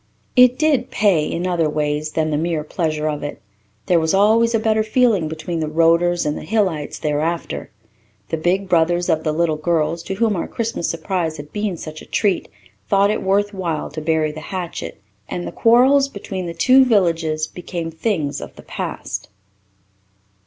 It did "pay" in other ways than the mere pleasure of it. There was always a better feeling between the Roaders and the Hillites thereafter. The big brothers of the little girls, to whom our Christmas surprise had been such a treat, thought it worthwhile to bury the hatchet, and quarrels between the two villages became things of the past.